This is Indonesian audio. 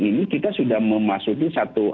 ini kita sudah memasuki satu